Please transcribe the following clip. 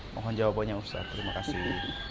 mohon jawabannya ustadz terima kasih